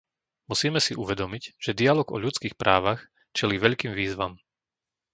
Musíme si uvedomiť, že dialóg o ľudských právach čelí veľkým výzvam.